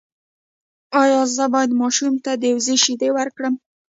ایا زه باید ماشوم ته د وزې شیدې ورکړم؟